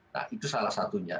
nah itu salah satunya